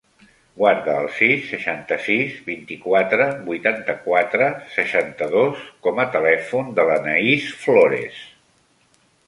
Guarda el sis, seixanta-sis, vint-i-quatre, vuitanta-quatre, seixanta-dos com a telèfon de l'Anaís Florez.